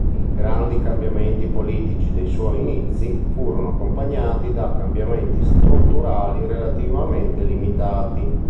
I grandi cambiamenti politici dei suoi inizi furono accompagnati da cambiamenti strutturali relativamente limitati.